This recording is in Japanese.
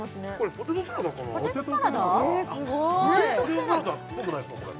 ポテトサラダっぽくないですかこれ？